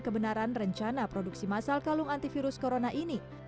kebenaran rencana produksi masal kalung antivirus corona ini